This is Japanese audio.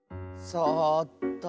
そっと。